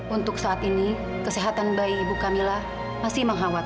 untuk saat ini kesehatan bayi ibu camilla masih mengkhawatir